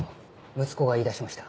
息子が言いだしました。